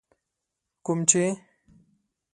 کوم چي